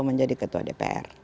menjadi ketua dpr